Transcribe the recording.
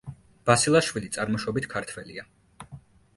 ბასილაშვილი წარმოშობით ქართველია.